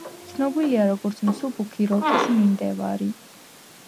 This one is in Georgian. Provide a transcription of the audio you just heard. ცნობილია როგორც მსუბუქი როკის მიმდევარი.